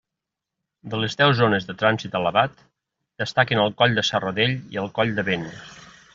De les deu zones de trànsit elevat destaquen el coll de Serradell i el coll de Vent.